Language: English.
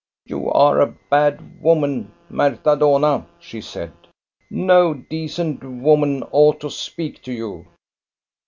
" You are a bad woman, Marta Dohna/' she said. " No decent woman ought to speak to you."